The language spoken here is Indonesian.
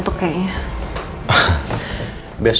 t raging udah banyak